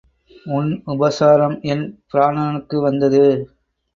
உன் உபசாரம் என் பிராணனுக்கு வந்தது.